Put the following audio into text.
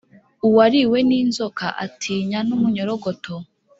Uwariwe n’inzoka atinya n’umunyorogoto.